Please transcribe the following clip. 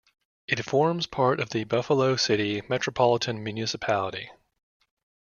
It forms part of the Buffalo City Metropolitan Municipality.